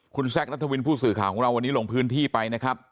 คุณแซคนัทวินผู้สื่อข่าวของเราวันนี้ลงพื้นที่ไปนะครับ